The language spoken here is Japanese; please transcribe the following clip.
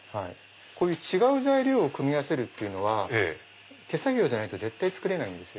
こういう違う材料を組み合わせるっていうのは手作業じゃないと絶対作れない。